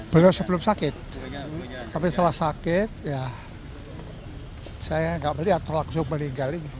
beliau sebelum sakit tapi setelah sakit ya saya nggak melihat langsung meninggal ini